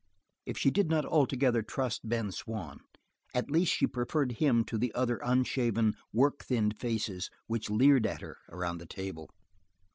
If she did not altogether trust Ben Swann, at least she preferred him to the other unshaven, work thinned faces which leered at her around the table.